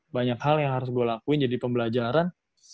banyak hal yang harus gue lakuin jadi pembelajaran